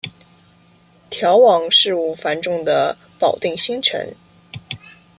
调往事务繁重的保定新城。